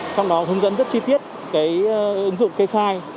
trong đó hướng dẫn rất chi tiết ứng dụng kê khai